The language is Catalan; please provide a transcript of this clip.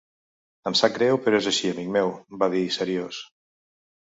"Em sap greu però és així, amic meu", va dir seriós.